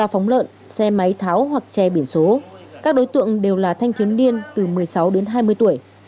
ba phóng lợn xe máy tháo hoặc che biển số các đối tượng đều là thanh thiếu niên từ một mươi sáu đến hai mươi tuổi